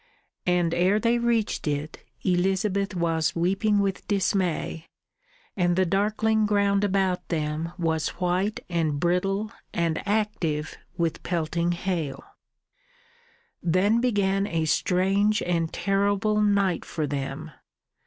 And ere they reached it, Elizabeth was weeping with dismay, and the darkling ground about them was white and brittle and active with the pelting hail. Then began a strange and terrible night for them.